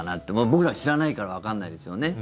僕ら、知らないからわかんないですよね。